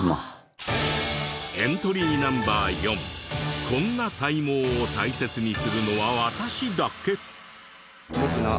エントリーナンバー４こんな体毛を大切にするのは私だけ！？